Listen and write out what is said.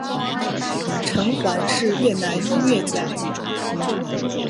陈桓是越南音乐家。